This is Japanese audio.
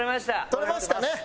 撮れましたね。